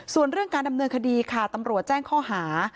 ส่วนเรื่องการดำเนินคดีค่ะตำรวจแจ้งข้อหา